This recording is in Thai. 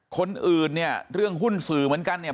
คนอื่นเนี่ยเรื่องหุ้นสื่อเหมือนกันเนี่ย